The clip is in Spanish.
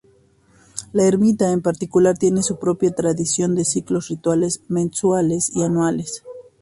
La ermita en particular tiene su propia tradición de ciclos rituales mensuales y anuales.